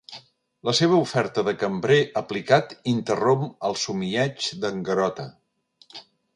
La seva oferta de cambrer aplicat interromp el somieig d'en Garota.